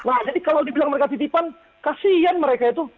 nah jadi kalau dibilang mereka titipan kasihan mereka itu